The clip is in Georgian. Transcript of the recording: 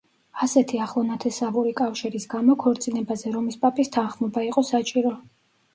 ასეთი ახლონათესავური კავშირის გამო, ქორწინებაზე რომის პაპის თანხმობა იყო საჭირო.